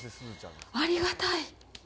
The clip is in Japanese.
ありがたい。